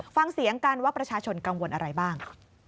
ฟังเสียงกันว่าประชาชนกังวลอะไรบ้าง